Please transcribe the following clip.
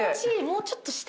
もうちょっと下。